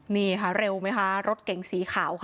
นี่ค่ะเร็วไหมคะรถเก๋งสีขาวค่ะ